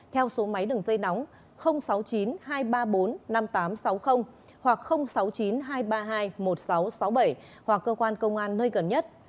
theo số máy đường dây nóng sáu mươi chín hai trăm ba mươi bốn năm nghìn tám trăm sáu mươi hoặc sáu mươi chín hai trăm ba mươi hai một nghìn sáu trăm sáu mươi bảy hoặc cơ quan công an nơi gần nhất